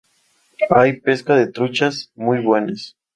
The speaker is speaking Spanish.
Hay pesca de truchas muy buenas.